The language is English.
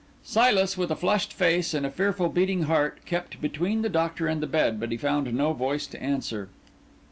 Silas, with a flushed face and a fearful beating heart, kept between the Doctor and the bed; but he found no voice to answer.